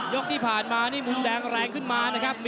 ยกที่ผ่านมานี่มุมแดงแรงขึ้นมานะครับ